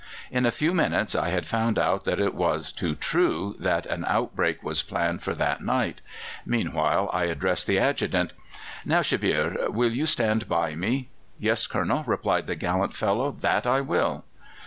"In a few minutes I had found out that it was too true that an outbreak was planned for that night. Meanwhile I addressed the Adjutant: "'Now, Shebbeare, will you stand by me?' "'Yes, Colonel,' replied the gallant fellow, 'that I will.